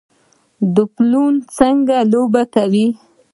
ډولفین څنګه لوبه کوي؟